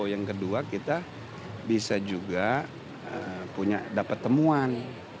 yang kedua kita bisa juga punya dapat temuan